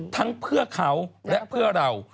ทั้งเพื่อเขาและเพื่อเรา